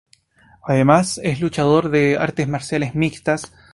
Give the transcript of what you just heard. Además es luchador de artes marciales mixtas.